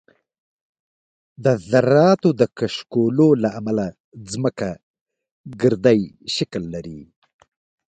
د ذراتو د کشکولو له امله ځمکه ګردی شکل لري